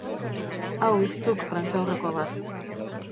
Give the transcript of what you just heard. Hau ez duk prentsaurreko bat.